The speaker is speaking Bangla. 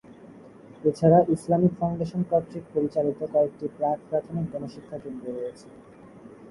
এছাড়া ইসলামিক ফাউন্ডেশন কর্তৃক পরিচালিত কয়েকটি প্রাক-প্রাথমিক গণশিক্ষা কেন্দ্র রয়েছে।